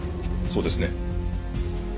そうですね？